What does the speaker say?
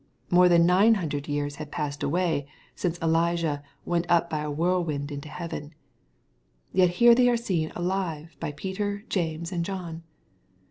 More than nine hundred years had passed away, since Elijah "went up by a whirlwind into heaven.'' Yet here they are seen alive by Peter, James, and John